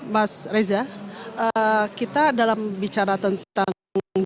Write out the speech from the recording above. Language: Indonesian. mas eza kita dalam bicara tentang g dua puluh